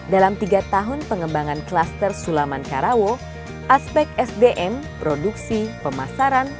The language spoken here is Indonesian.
dalam tiga tahun pengembangan klaster sulaman karawo aspek sdm produksi pemasaran